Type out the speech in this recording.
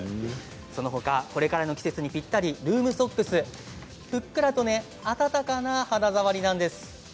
そのほか、これからの季節にぴったり、ルームソックスふっくらと温かな肌触りなんです。